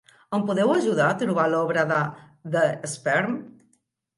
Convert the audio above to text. Em podeu ajudar a trobar l'obra de The Sperm?